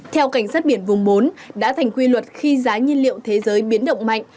theo cảnh sát biển vùng bốn đã thành quy luật khi giá nhiên liệu thế giới biến động mạnh